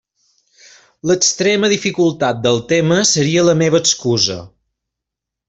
L'extrema dificultat del tema seria la meva excusa.